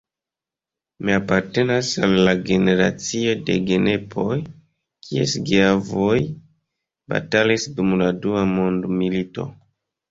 Mi apartenas al la generacio de genepoj, kies geavoj batalis dum la dua mondmilito.